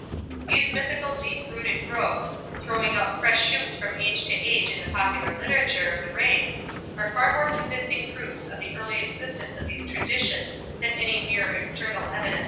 These mythical deep rooted groves, throwing out fresh shoots from age to age in the popular literature of the race, are far more convincing proofs of the early existence of these traditions than any mere external evidence".